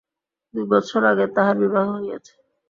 দুই বৎসর আগে তাহার বিবাহ হইয়াছে।